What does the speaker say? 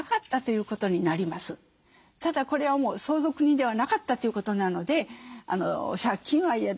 ただこれはもう相続人ではなかったということなので借金は嫌だ。